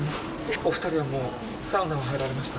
お二人はもうサウナは入られました？